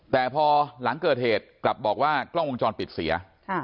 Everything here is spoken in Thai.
แต่พอหลังเกิดเหตุกลับบอกว่ากล้องวงจรปิดเสีย